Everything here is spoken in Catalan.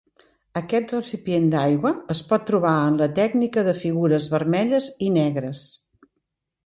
Aquest recipient d'aigua es pot trobar en la tècnica de figures vermelles i negres.